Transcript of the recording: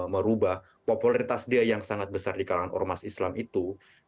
merubah popularitas dia yang sangat besar di kalangan ormas islam itu